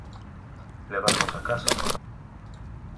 Levarnos a casa?